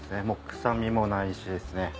もう臭みもないしですね。